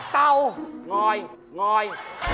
เตางอยงอย